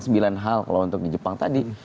sembilan hal kalau untuk di jepang tadi